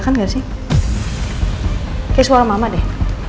kayak suara mama deh